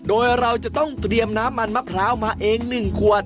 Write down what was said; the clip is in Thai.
โดยเราจะต้องเตรียมน้ำมันมะพร้าวมาเอง๑ขวด